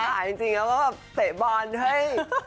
ใช่ขายจริงแล้วแบบเตะบอลเฮ้ย